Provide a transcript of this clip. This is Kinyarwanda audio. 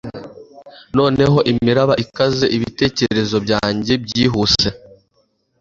noneho, imiraba ikaze, ibitekerezo byanjye byihuse